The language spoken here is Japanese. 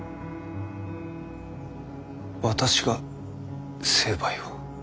私が成敗を？